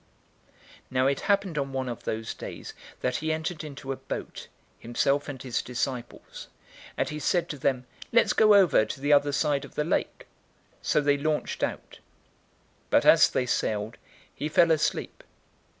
008:022 Now it happened on one of those days, that he entered into a boat, himself and his disciples, and he said to them, "Let's go over to the other side of the lake." So they launched out. 008:023 But as they sailed, he fell asleep.